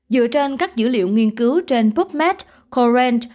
dựa trên các dữ liệu nghiên cứu trên pubmed